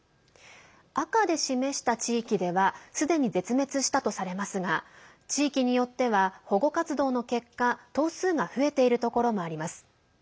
赤で示した地域ではすでに絶滅したとされますが地域によっては保護活動の結果頭数が増えているところもあります。